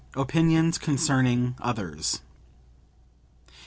OPINIONS CONCERNING OTHERS 81.